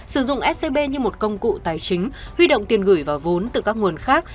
sử dụng scb như một công cụ tài chính huy động tiền gửi và vốn từ các nguồn khác